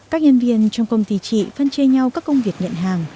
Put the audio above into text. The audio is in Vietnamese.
các nhân viên trong công ty chị phân chê nhau các công việc nhận hàng